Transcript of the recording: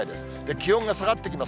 気温が下がってきます。